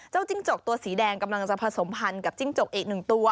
จิ้งจกตัวสีแดงกำลังจะผสมพันธ์กับจิ้งจกอีกหนึ่งตัว